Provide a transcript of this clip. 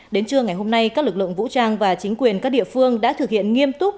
đến trưa ngày hôm nay các lực lượng vũ trang và chính quyền các địa phương đã thực hiện nghiêm túc